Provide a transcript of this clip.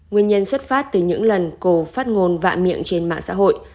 nguyên nhân xuất phát từ những lần cổ phát ngôn vạ miệng trên mạng xã hội